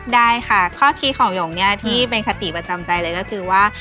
ได้ค่ะข้อคิดของหยงเนี่ยที่เป็นคติประจำใจเลยก็คือว่า